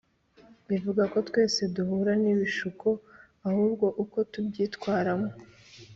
ivuga ko twese duhura n ibishuko ahubwo uko tubyitwaramo.